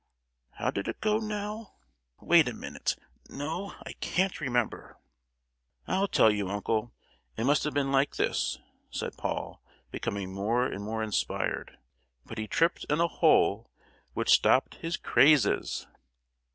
—How did it go on, now? Wait a minute! No, I can't remember." "I'll tell you, uncle. It must have been like this," said Paul, becoming more and more inspired:— "But he tripped in a hole, Which stopped his crazes."